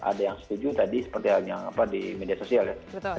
ada yang setuju tadi seperti halnya di media sosial ya